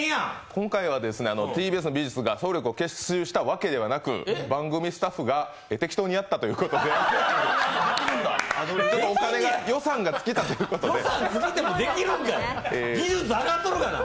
今回はＴＢＳの美術が総力を結集したわけではなく、番組スタッフが適当にやったということで、予算尽きてもできるんか技術上がっとるわな。